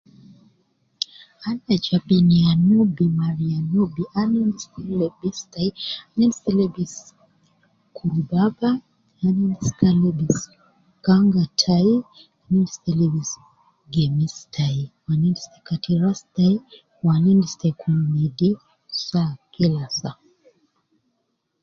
Ana je binia Nubi mariya Nubi ana endis lebis tai, ana endis te lebis kurubaba, ana endis te lebis kanga tai, ana endis te lebis gemis tai wu ana endis te Kati ras tai wu ana endis te kun nedif saa kila saa